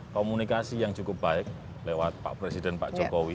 komunikasi yang cukup baik lewat pak presiden pak jokowi